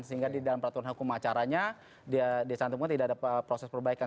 sehingga di dalam peraturan hukum acaranya disantungkan tidak ada proses perbaikan